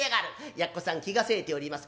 やっこさん気がせいております。